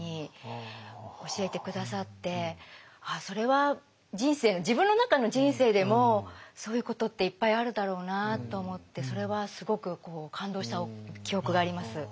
それは人生自分の中の人生でもそういうことっていっぱいあるだろうなあと思ってそれはすごく感動した記憶があります。